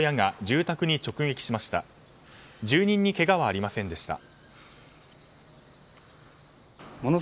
住人にけがはありませんでした。